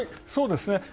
そうですね。